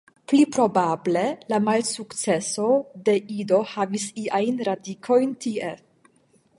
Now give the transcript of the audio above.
Pli probable la malsukceso de Ido havis iajn radikojn tie.